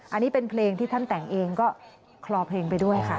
อันนี้เป็นเพลงที่ท่านแต่งเองก็คลอเพลงไปด้วยค่ะ